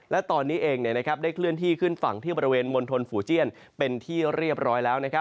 และตอนนี้เองได้เคลื่อนที่ขึ้นฝั่งที่บริเวณมณฑลฝูเจียนเป็นที่เรียบร้อยแล้ว